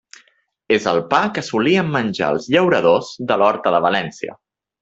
És el pa que solien menjar els llauradors de l'Horta de València.